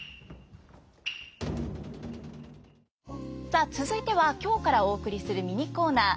さあ続いては今日からお送りするミニコーナー